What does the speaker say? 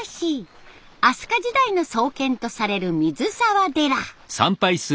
飛鳥時代の創建とされる水澤寺。